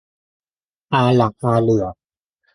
อาหลักอาเหลื่อ